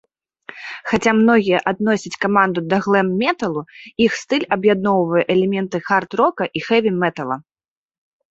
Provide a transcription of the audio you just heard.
Хаця многія адносяць каманду да глэм-металу, іх стыль аб'ядноўвае элементы хард-рока і хэві-метала.